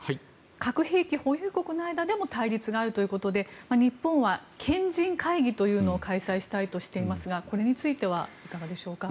核兵器保有国の間でも対立があるということで日本は賢人会議というのを開催したいとしていますがこれについてはいかがでしょうか。